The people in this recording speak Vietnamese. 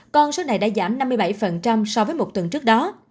con số này đã giảm năm mươi bảy so với một tuần trước đó